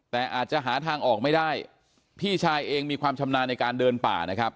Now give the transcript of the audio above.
แต่อาจจะหาทางออกไม่ได้พี่ชายเองมีความชำนาญในการเดินป่านะครับ